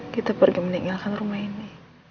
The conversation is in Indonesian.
kita pergi meninggalkan rumah ini